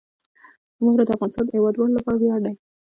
واوره د افغانستان د هیوادوالو لپاره ویاړ دی.